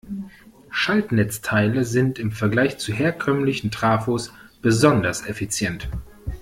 Schaltnetzteile sind im Vergleich zu herkömmlichen Trafos besonders effizient.